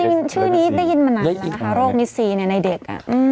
ชื่อนี้ได้ยินมานานแล้วนะคะโรคมิสซีในเด็ก